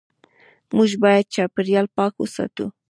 موږ باید چاپېریال پاک وساتو.